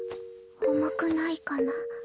重くないかな？